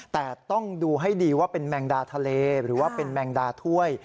แต่ต้องดูให้ดีว่าเป็นแมงดาทะเลหรือว่าเป็นแมงดาถ้วย